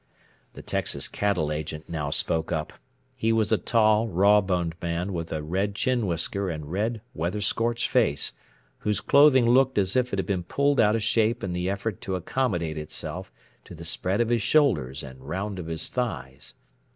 The Texas Cattle Agent now spoke up. He was a tall, raw boned man, with a red chin whisker and red, weather scorched face, whose clothing looked as if it had been pulled out of shape in the effort to accommodate itself to the spread of his shoulders and round of his thighs.